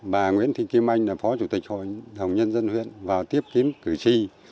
bà nguyễn thị kim anh là phó chủ tịch hội hồng nhân dân huyện và tiếp kiếm cử tri